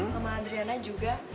mama adriana juga